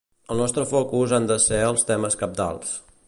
El nostre focus han de ser els temes cabdals.